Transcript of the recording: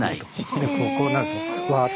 でこうなるとわあっと。